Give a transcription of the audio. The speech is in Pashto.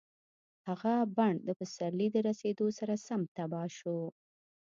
هغه بڼ د پسرلي د رسېدو سره سم تباه شو.